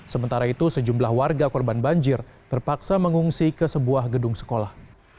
sementara itu sejumlah warga korban banjir terpaksa mengungsi ke sebuah gedung sekolah